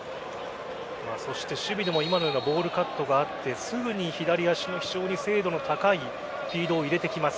そして守備でも今のようなボールカットがあってすぐに左足の非常に精度の高いフィードを入れてきます。